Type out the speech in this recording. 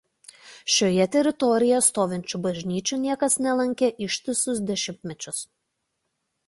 Šioje teritorijoje stovinčių bažnyčių niekas nelankė ištisus dešimtmečius.